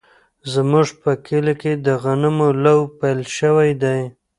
زموږ په کلي کې د غنمو لو پیل شوی دی.